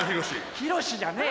ひろしじゃねえよ。